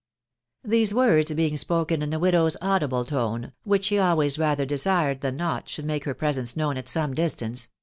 These words being spoken in the widow's audible toss, which she always rather desired than not should make be presence known at some distance